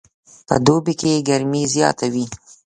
په دوبي کې ګرمي زیاته وي